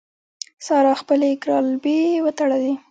سارا خپلې ګرالبې وتړلې.